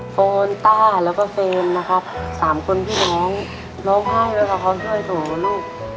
โฟนตาแล้วก็เฟรมนะครับ๓คนพี่แม้งร้องไห้เลยเพราะเขาช่วยสู่ลูก